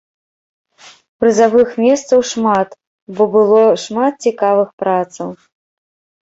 Прызавых месцаў шмат, бо было шмат цікавых працаў.